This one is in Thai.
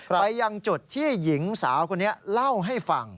ไปยังจุดที่หญิงสาวคนนี้เล่าให้ฟัง